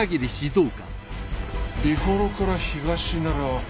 美幌から東なら。